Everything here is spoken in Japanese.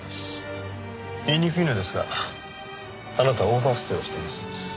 言いにくいのですがあなたはオーバーステイをしています。